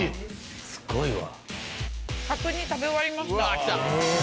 すごいわ。